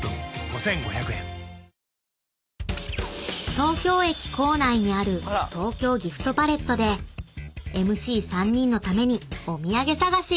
［東京駅構内にある東京ギフトパレットでＭＣ３人のためにお土産探し！］